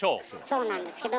そうなんですけど。